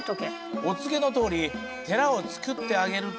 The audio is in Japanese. お告げのとおり寺を作ってあげると